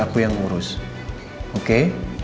aku yang urus oke